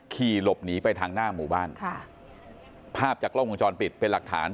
ขี่หลบหนีไปทางหน้าหมู่บ้านค่ะภาพจากกล้องวงจรปิดเป็นหลักฐาน